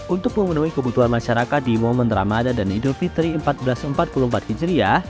untuk memenuhi kebutuhan masyarakat di momen ramadan dan idul fitri seribu empat ratus empat puluh empat hijriah